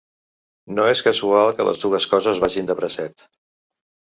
No és casual que les dues coses vagin de bracet.